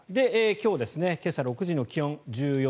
今日、今朝６時の気温１４．４度。